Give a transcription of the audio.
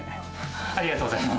ありがとうございます。